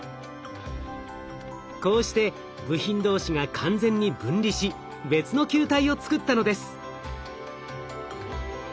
こうして部品同士が完全に分離し別の球体を作ったのです。